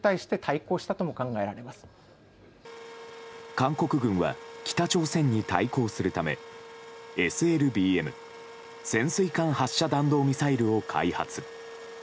韓国軍は北朝鮮に対抗するためＳＬＢＭ・潜水艦発射弾道ミサイルを開発。